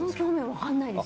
分かんないです。